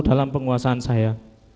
dalam penguasaan saya